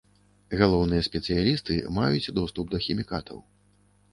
Галоўныя спецыялісты маюць доступ да хімікатаў.